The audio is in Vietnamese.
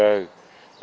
rồi một số